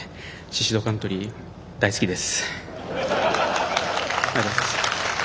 ヒルズカントリー大好きです。